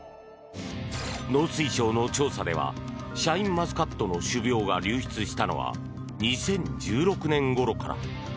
農水省の調査ではシャインマスカットの種苗が流出したのは２０１６年ごろから。